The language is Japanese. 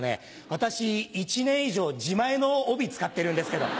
私１年以上自前の帯使ってるんですけど。